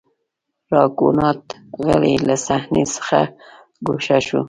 راګونات غلی له صحنې څخه ګوښه شو.